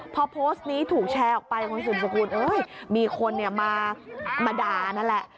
พอโพสต์นี้ถูกแชร์ออกไปคุณสุมสกุลมีคนมาด่านั่นแหละ